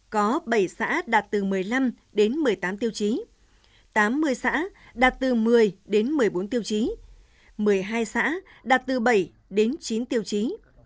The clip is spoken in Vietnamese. có bảy xã đạt từ một mươi năm đến một mươi tám tiêu chí tám mươi xã đạt từ một mươi đến một mươi bốn tiêu chí một mươi hai xã đạt từ bảy đến chín tiêu chí